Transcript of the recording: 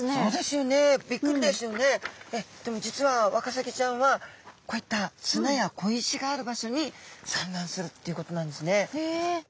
でも実はワカサギちゃんはこういった砂や小石がある場所に産卵するっていうことなんですね。